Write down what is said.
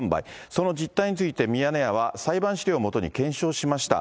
その実態についてミヤネ屋は裁判資料を基に検証しました。